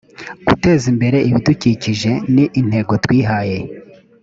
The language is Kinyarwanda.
guteza imbere ibidukikije ni intego twihaye